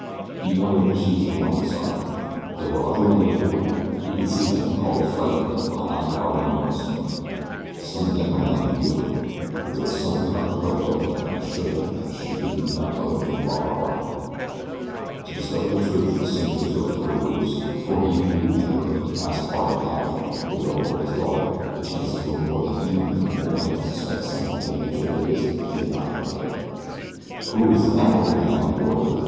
He wondered if she was the one they sought. There were other women aboard. He could see them, huddled frightened behind Harding and Norris. Some of them were young and beautiful; but there was something about the girl above him that assured him she could be none other than Barbara Harding. To discover the truth Simms resorted to a ruse, for he knew that were he to ask Harding outright if the girl were his daughter the chances were more than even that the old man would suspect something of the nature of their visit and deny her identity. "Who is that woman you have on board here?"